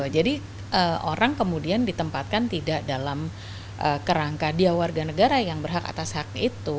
jadi orang kemudian ditempatkan tidak dalam kerangka dia warga negara yang berhak atas hak itu